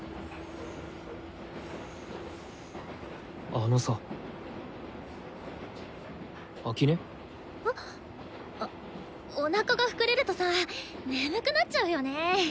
あのさ秋音？あおなかが膨れるとさ眠くなっちゃうよね。